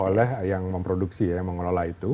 oleh yang memproduksi ya yang mengelola itu